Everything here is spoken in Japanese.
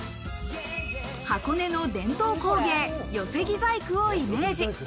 箱根の伝統工芸・寄木細工をイメージ。